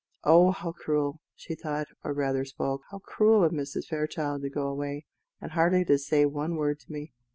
"Oh, how cruel!" she thought, or rather spoke "how cruel of Mrs. Fairchild to go away, and hardly to say one word to me!